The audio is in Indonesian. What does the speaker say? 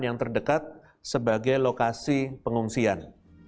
yang terdekat sebagai lokasi pengungsian